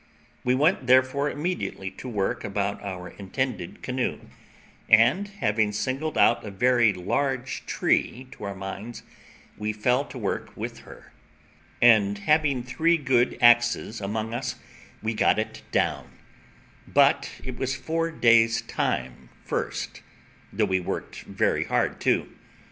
We went, therefore, immediately to work about our intended canoe; and, having singled out a very large tree to our minds, we fell to work with her; and having three good axes among us, we got it down, but it was four days' time first, though we worked very hard too.